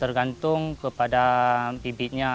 tergantung kepada bibitnya